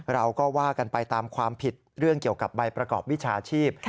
เราก็ว่ากันไปตามความผิดเรื่องเกี่ยวกับใบประกอบวิชาชีพ